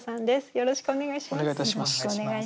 よろしくお願いします。